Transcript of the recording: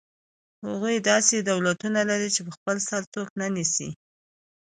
هغوی داسې دولتونه لري چې په خپل سر څوک نه نیسي.